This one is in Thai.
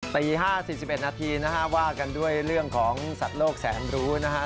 ตี๕๔๑นาทีนะฮะว่ากันด้วยเรื่องของสัตว์โลกแสนรู้นะฮะ